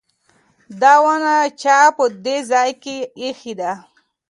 دا ونه چا په دې ځای کې ایښې ده؟